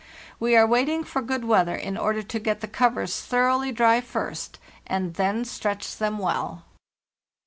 We are vaiting for good weather in order to get the covers thoroughly dry first, and then stretch them well.